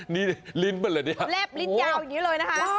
นี่ริ้นมันหรืออย่างยังไงโห้เล็บริ้นยาวยังงี้เลยนะคะ